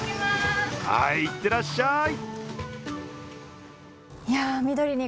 はい、いってらっしゃい！